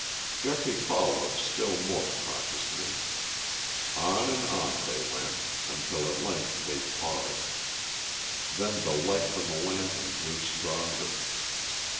Geoffrey followed still more cautiously. On and on they went, until at length they paused. Then the light from the lantern grew stronger.